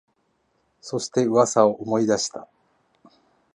そして、噂を思い出した